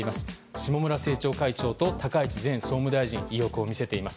下村政調会長と高市前総務大臣意欲を見せています。